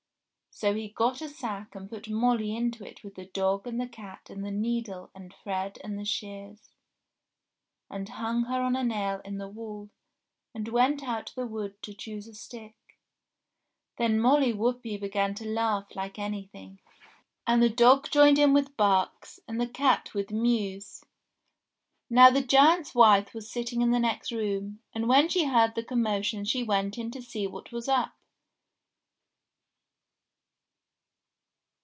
So he got a sack and put Molly into it with the dog and the cat and the needle and thread and the shears, and hung her on a nail in the wall, and went out to the wood to choose a stick. Then Molly Whuppie began to laugh like anything, and the dog joined in with barks, and the cat with mews. Now the giant's wife was sitting in the next room, and when she heard the commotion she went in to see what was up.